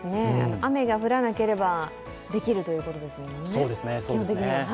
雨が降らなければできるということですもんね。